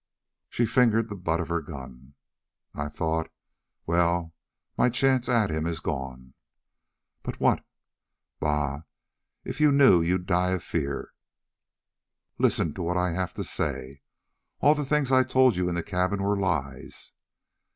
She fingered the butt of her gun. "I thought well, my chance at him is gone." "But what " "Bah, if you knew you'd die of fear. Listen to what I have to say. All the things I told you in the cabin were lies."